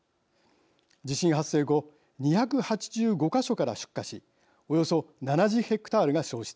地震発生後２８５か所から出火しおよそ７０ヘクタールが焼失。